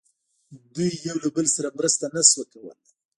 دوی یو له بل سره مرسته نه شوه کولای.